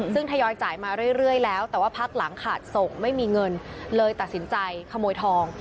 ซึ่งทยอยจ่ายมาเรื่อยแล้วแต่ว่าพักหลังขาดส่งไม่มีเงินเลยตัดสินใจขโมยทอง